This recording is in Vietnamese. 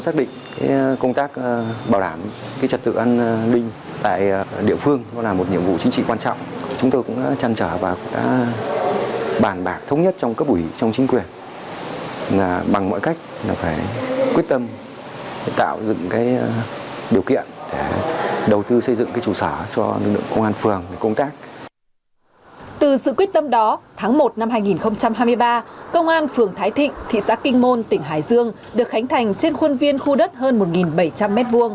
từ sự quyết tâm đó tháng một năm hai nghìn hai mươi ba công an phường thái thịnh thị xã kinh môn tỉnh hải dương được khánh thành trên khuôn viên khu đất hơn một bảy trăm linh m hai